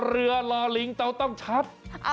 เรือหล่อลิ้งตัวต้องชัด